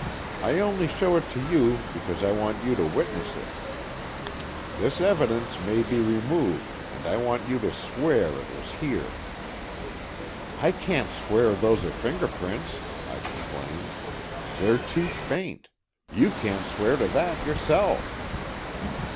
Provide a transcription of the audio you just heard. I only show it to you, because I want you to witness it. This evidence may be removed, and I want you to swear it was here." "I can't swear those are fingerprints," I complained. "They're too faint. You can't swear to that yourself."